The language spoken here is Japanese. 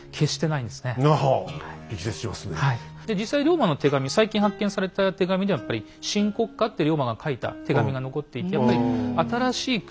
実際龍馬の手紙最近発見された手紙ではやっぱり「新国家」って龍馬が書いた手紙が残っていてやっぱり新しい国